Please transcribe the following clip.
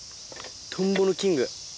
トンボのキング。